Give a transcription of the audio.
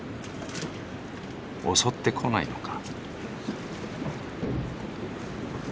襲ってこないのか？